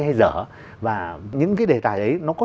hay dở và những cái đề tài ấy nó có